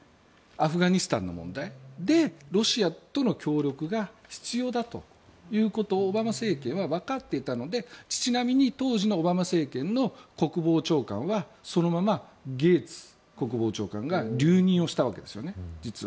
アフガニスタンの問題でロシアとの協力が必要だということをオバマ政権はわかっていたのでちなみに当時のオバマ政権の国防長官はそのままゲーツ国防長官が実は留任をしたわけですよね。